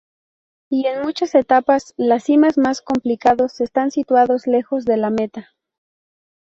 Y, en muchas etapas, las cimas más complicados están situados lejos de la meta.